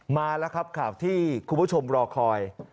มาแล้วครับข่าวที่คุณผู้ชมรอคอย